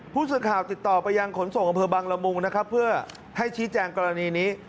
ผู้สื่อข่าวติดต่อไปยังขนส่งอำเภอบังละมุงนะครับเพื่อให้ชี้แจงกรณีนี้